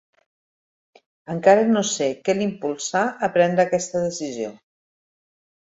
Encara no sé què l'impulsà a prendre aquesta decisió.